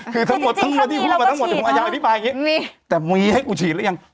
คือทั้งหมดที่พูดมันทั้งหมดอย่างอธิบายอย่างนี้แต่มีให้ฉีดหรือยัง